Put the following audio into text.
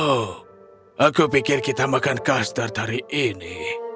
oh aku pikir kita makan kastar hari ini